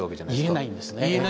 言えないんですね。